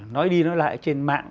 nói đi nói lại trên mạng